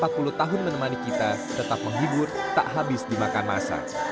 empat puluh tahun menemani kita tetap menghibur tak habis dimakan masa